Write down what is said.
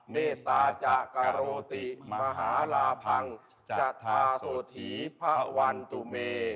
เมตตาจักรโรติมหาลาพังจธาโสธีพระวันตุเม